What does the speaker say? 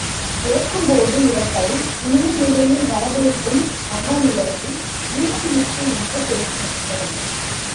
இறக்கும்போது இறப்பை இனிய நிலையில் வரவேற்கும் மனோநிலையை ஜீவன் முக்தி என்று பேசினார்கள்.